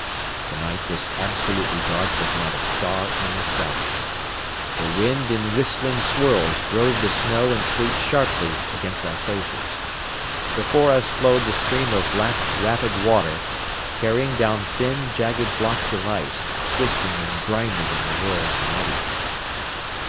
The night was absolutely dark with not a star in the sky. The wind in whistling swirls drove the snow and sleet sharply against our faces. Before us flowed the stream of black, rapid water, carrying down thin, jagged blocks of ice, twisting and grinding in the whirls and eddies.